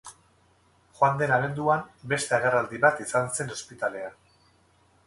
Joan den abenduan beste agerraldi bat izan zen ospitalean.